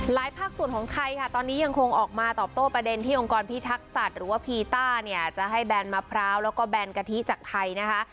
ภาคส่วนของไทยค่ะตอนนี้ยังคงออกมาตอบโต้ประเด็นที่องค์กรพิทักษัตริย์หรือว่าพีต้าเนี่ยจะให้แบนมะพร้าวแล้วก็แบนกะทิจากไทยนะคะ